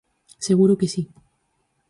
Seguro que si.